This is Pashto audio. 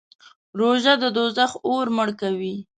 روژه د دوزخ اور مړ کوي.